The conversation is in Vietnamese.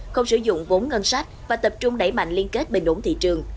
không sử dụng vốn ngân sách và tập trung đẩy mạnh liên kết bình ổn thị trường